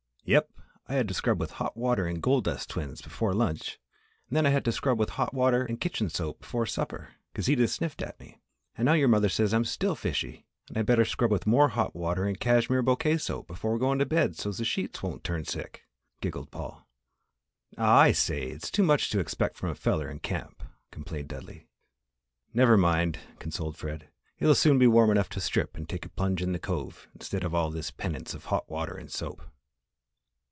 "Yep! I had to scrub with hot water and gold dust twins before lunch and then I had to scrub with hot water and kitchen soap before supper 'cause Edith sniffed at me; an' now your mother says I'm still fishy an' I'd better scrub with more hot water and cashmere bouquet soap before goin' to bed so's the sheets won't turn sick!" giggled Paul. "Ah, I say! It's too much to expect from a feller in camp," complained Dudley. "Never mind," consoled Fred. "It'll soon be warm enough to strip and take a plunge in the Cove instead of all this penance of hot water and soap."